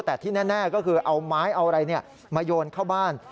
แต่ที่แน่ก็คือเอาไม้เอาอะไรมาโยนเข้าบ้าน